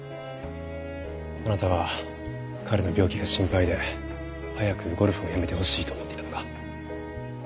あなたは彼の病気が心配で早くゴルフをやめてほしいと思っていたとか。